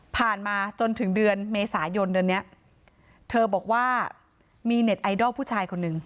มาจนถึงเดือนเมษายนเดือนเนี้ยเธอบอกว่ามีเน็ตไอดอลผู้ชายคนหนึ่ง